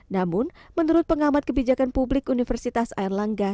namun menurut pengamat kebijakan publik universitas ayan langga